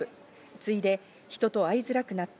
次いで、人と会いづらくなった。